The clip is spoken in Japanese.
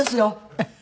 フフフフ。